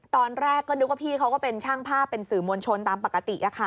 ตอนแรกก็นึกว่าพี่เขาก็เป็นช่างภาพเป็นสื่อมวลชนตามปกติ